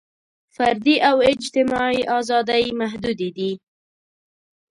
فردي او اجتماعي ازادۍ محدودې دي.